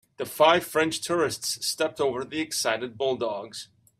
The five French tourists stepped over the excited bulldogs.